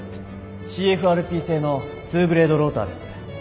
ＣＦＲＰ製の２ブレードローターです。